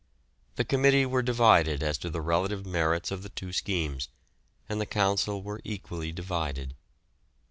The committee were divided as to the relative merits of the two schemes, and the Council were equally divided.